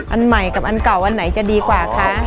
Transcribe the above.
อันใหม่กับอันเก่าอันไหนจะดีกว่าคะ